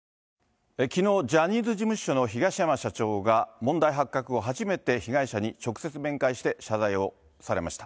きのう、ジャニーズ事務所の東山社長が、問題発覚後、初めて被害者に直接面会して、謝罪をされました。